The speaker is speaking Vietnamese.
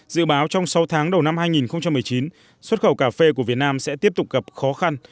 dự báo trong sáu tháng đầu năm hai nghìn một mươi chín xuất khẩu cà phê của việt nam sẽ tiếp tục gặp khó khăn